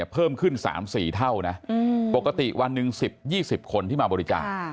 เพิ่มขึ้น๓๔เท่านะปกติวันหนึ่ง๑๐๒๐คนที่มาบริการ